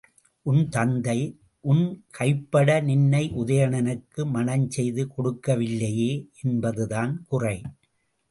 உன் தந்தை தன் கைப்பட நின்னை உதயணனுக்கு மணம் செய்து கொடுக்கவில்லையே என்பது தான் குறை.